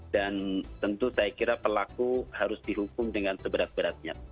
dan tentu saya kira pelaku harus dihukum dengan seberat beratnya